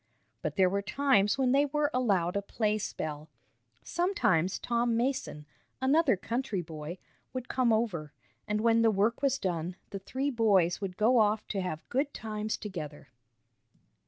But there were times when they were allowed a play spell. Sometimes Tom Mason, another country boy, would come over, and, when the work was done, the three boys would go off to have good times together.